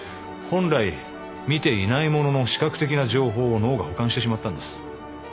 本来見ていないものの視覚的な情報を脳が補完してしまったんです。